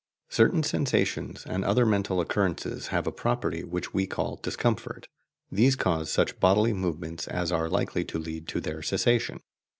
Certain sensations and other mental occurrences have a property which we call discomfort; these cause such bodily movements as are likely to lead to their cessation.